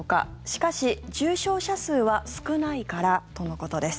しかし、重症者数は少ないからとのことです。